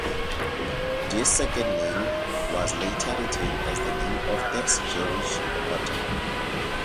This second name was later retained as the name of the Jewish quarter.